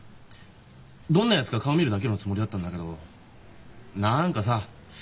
どんなやつか顔見るだけのつもりだったんだけど何かさ